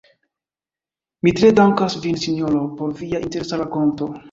Mi tre dankas vin, sinjoro, por via interesa rakonto.